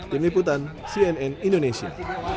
tim liputan cnn indonesia